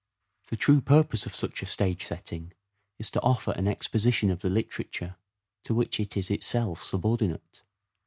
The true purpose of such a stage setting is to offer an exposition of the literature, to which it is itself subordinate.